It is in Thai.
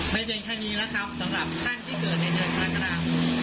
ไม่เพียงแค่นี้แล้วครับสำหรับท่านที่เกิดในเดือนกรกฎาคม